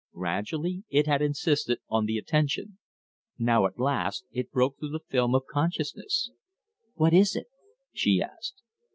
Gradually it had insisted on the attention. Now at last it broke through the film of consciousness. "What is it?" she asked.